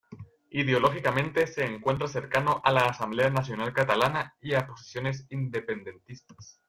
Ideológicamente se encuentra cercano a la Asamblea Nacional Catalana y a posiciones independentistas.